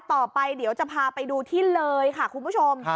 ต่อไปเดี๋ยวจะพาไปดูที่เลยค่ะคุณผู้ชม